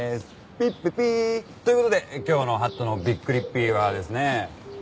ピッピピー！という事で今日のハットのびっくりッピーはですね